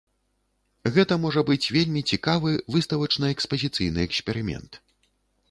Гэта можа быць вельмі цікавы выставачна-экспазіцыйны эксперымент.